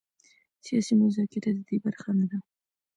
سیاسي مذاکره د دې برخه نه ده.